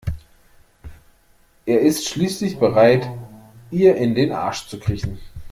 Er ist schließlich bereit ihr in den Arsch zu kriechen.